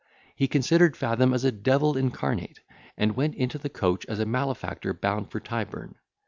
He considered Fathom as a devil incarnate, and went into the coach as a malefactor bound for Tyburn.